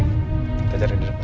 kita cari di depan ya